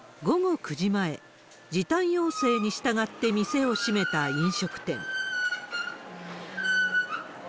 午後９時前、時短要請に従って店を閉めた飲食店。